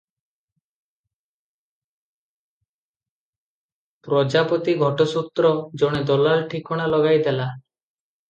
ପ୍ରଜାପତି ଘଟସୂତ୍ର, ଜଣେ ଦଲାଲ ଠିକଣା ଲଗାଇ ଦେଲା ।